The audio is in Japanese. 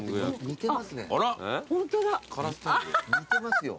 似てますよ。